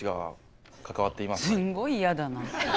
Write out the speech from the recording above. すんごい嫌だな。